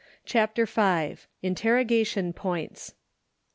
CHAPTER V. INTERROGATION POINTS.